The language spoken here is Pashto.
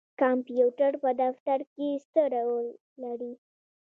کمپیوټر په دفتر کې څه رول لري؟